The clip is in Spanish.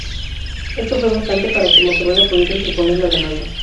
Esto fue bastante para que Motorola pudiera interponer la demanda.